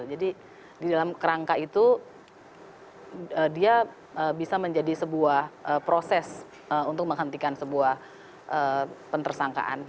jadi di dalam kerangka itu dia bisa menjadi sebuah proses untuk menghentikan sebuah penersangkaan